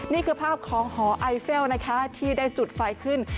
นี่คือภาพของหอไอเฟลนะคะที่ได้จุดไฟขึ้น